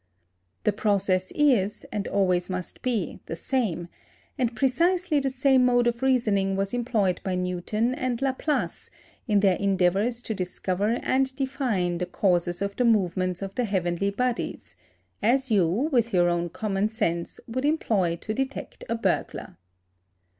The process is, and always must be, the same; and precisely the same mode of reasoning was employed by Newton and Laplace in their endeavours to discover and define the causes of the movements of the heavenly bodies, as you, with your own common sense, would employ to detect a burglar.